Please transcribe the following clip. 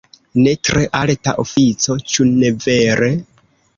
Ne tre alta ofico, ĉu ne vere?